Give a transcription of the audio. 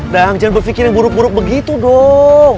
dan jangan berpikir yang buruk buruk begitu dong